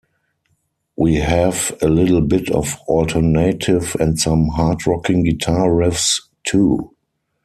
We have a little bit of alternative and some hard-rocking guitar riffs too.